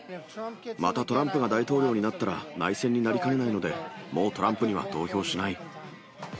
またトランプが大統領になったら、内戦になりかねないので、もうトランプには投票しない。